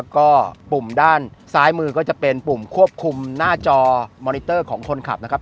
ก็ปุ่มด้านซ้ายมือก็จะเป็นปุ่มควบคุมหน้าจอมอนิเตอร์ของคนขับนะครับ